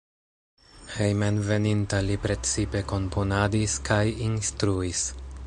Hejmenveninta li precipe komponadis kaj instruis.